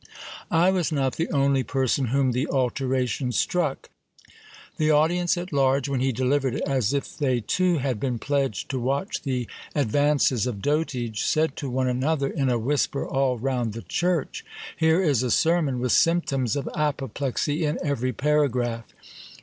I was not the only person whom the alteration struck. The audience at large, when he delivered it, as if they too had been pledged to watch the 234 GIL BLAS. advances of dotage, said to one another in a whisper all round the church Here is a sermon, with symptoms of apoplexy in eveiy paragraph.